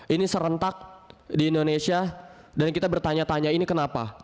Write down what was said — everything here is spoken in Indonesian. ini serentak di indonesia dan kita bertanya tanya ini kenapa